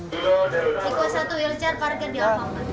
di kuasa satu wheelchair parkir di apa